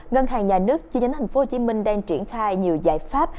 ngân hàng nhà nước chi nhánh tp hcm đang triển khai nhiều giải pháp